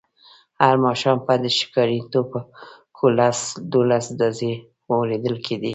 هر ماښام به د ښکاري ټوپکو لس دولس ډزې اورېدل کېدې.